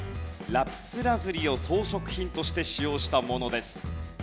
ラピスラズリを装飾品として使用したものです。